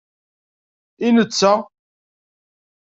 I netta?